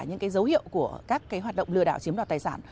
những cái dấu hiệu của các hoạt động lừa đảo chiếm đoạt tài sản